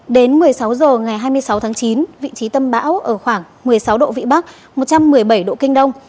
đến một mươi sáu h ngày hai mươi sáu tháng chín vị trí tâm bão ở khoảng một mươi sáu độ vĩ bắc một trăm một mươi bảy độ kinh đông